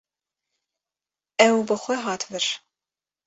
Ew bi xwe hat vir.